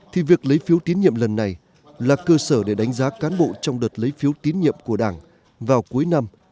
thì việc lấy phiếu tín nhiệm lần này là cơ sở để đánh giá cán bộ trong đợt lấy phiếu tín nhiệm của đảng vào cuối năm